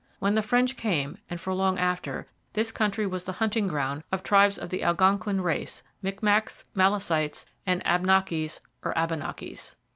When the French came, and for long after, this country was the hunting ground of tribes of the Algonquin race Micmacs, Malecites, and Abnakis or Abenakis.